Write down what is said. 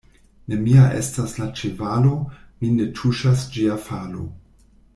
Ne mia estas la ĉevalo, min ne tuŝas ĝia falo.